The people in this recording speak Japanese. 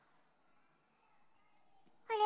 あれ？